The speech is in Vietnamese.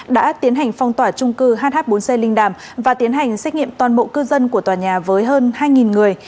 đã tiến hành phong tỏa trung cư hh bốn c linh đàm và tiến hành xét nghiệm toàn bộ cư dân của tòa nhà với hơn hai người